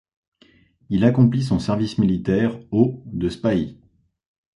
Il accomplit son service militaire au de Spahis.